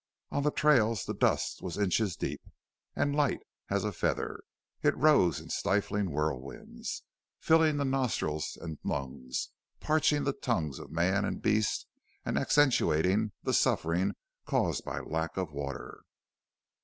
On the trails the dust was inches deep and light as a feather. It rose in stifling whirlwinds, filling the nostrils and the lungs, parching the tongues of man and beast and accentuating the suffering caused by lack of water.